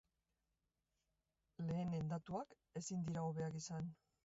Lehenen datuak ezin dira hobeak izan.